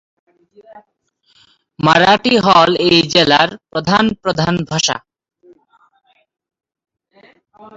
মারাঠি হ'ল এই জেলার প্রধান প্রধান ভাষা।